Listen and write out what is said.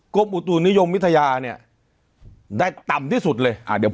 กรมอุตุนิยมวิทยาเนี่ยได้ต่ำที่สุดเลย